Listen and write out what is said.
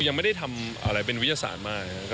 ยังไม่ได้ทำอะไรเป็นวิทยาศาสตร์มาก